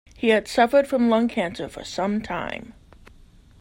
He had suffered from lung cancer for some time.